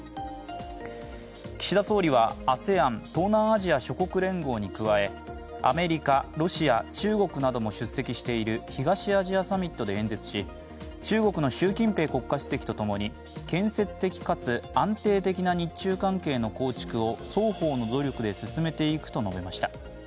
岸田総理はＡＳＥＡＮ＝東南アジア諸国連合に加えアメリカ、ロシア、中国なども出席している東アジアサミットで演説し、中国の習近平国家主席とともに建設的かつ安定的な日中関係の構築を双方の努力で進めていくと述べました。